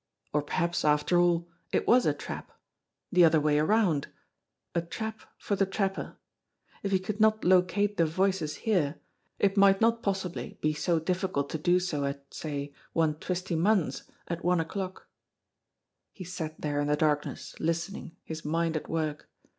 Or perhaps, after all, it was a trap the other way around. A trap for the trapper! If he could not locate the voices here, it might not possibly be so difficult to do so at, say, one Twisty Munn's at one o'clock ! He sat there in the darkness listening, his mind at work.